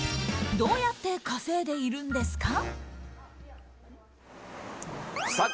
どうやって稼いでいるんですか？